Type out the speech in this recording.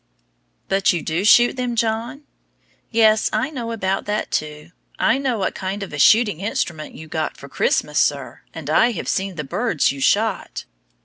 But you do shoot them, John? Yes, I know about that, too. I know what kind of a shooting instrument you got for Christmas, sir, and I have seen the birds you shot!